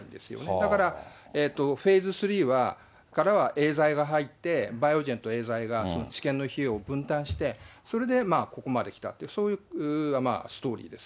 だからフェーズ３からはエーザイが入って、バイオジェンとエーザイがその治験の費用を分担して、それでここまで来たっていう、そういうストーリーです。